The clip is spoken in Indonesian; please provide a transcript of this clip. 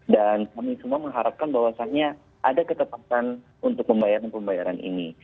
dan kami semua mengharapkan bahwasannya ada ketepatan untuk pembayaran pembayaran ini